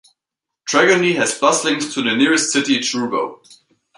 Tregony has bus links to the nearest city, Truro.